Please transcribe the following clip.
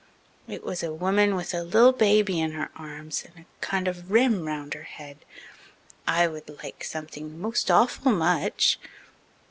It was a woman with a li'l baby in her arms and a kind of rim round her head. I would like something most awful much."